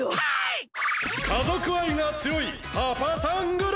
家族愛が強いパパさんＧＰ！